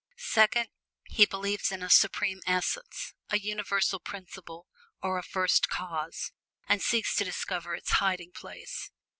Second, he believes in a "Supreme Essence," a "Universal Principle" or a "First Cause," and seeks to discover its hiding place.